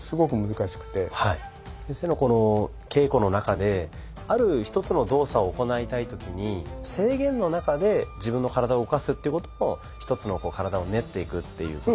先生のこの稽古の中である一つの動作を行いたい時に制限の中で自分の体を動かすっていうことも一つの体を練っていくっていうことに。